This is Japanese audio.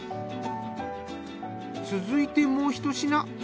続いてもうひと品。